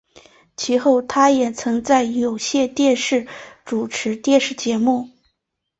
其后他也曾在有线电视主持电视节目。